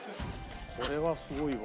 これはすごいわ。